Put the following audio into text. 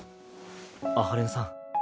阿波連さん